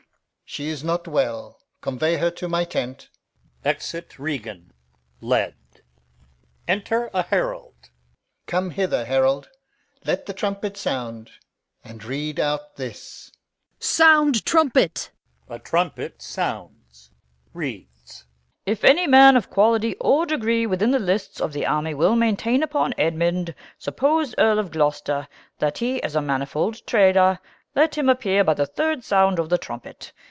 Alb. She is not well. Convey her to my tent. [Exit Regan, led.] Enter a Herald. Come hither, herald. Let the trumpet sound, And read out this. Capt. Sound, trumpet! A trumpet sounds. Her. (reads) 'If any man of quality or degree within the lists of the army will maintain upon Edmund, supposed Earl of Gloucester, that he is a manifold traitor, let him appear by the third sound of the trumpet.